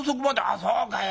『そうかよ。